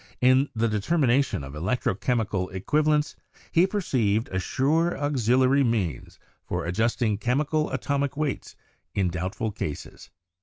In the determination of electro chemical equivalents he perceived a sure auxiliary means for ad justing chemical atomic weights in doubtful cases.